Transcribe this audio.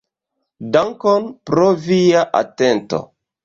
Dankon pro via atento.